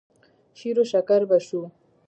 شېروشکر به شو.